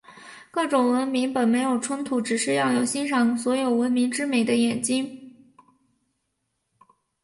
各种文明本没有冲突，只是要有欣赏所有文明之美的眼睛。